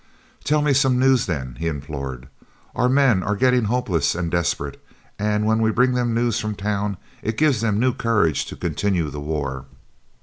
"Tell me some news, then," he implored. "Our men are getting hopeless and desperate, and when we bring them news from town it gives them new courage to continue the war."